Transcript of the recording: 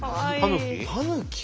たぬき？